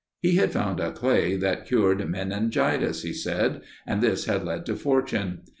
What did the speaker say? He had found a clay that cured meningitis, he said, and this had led to fortune.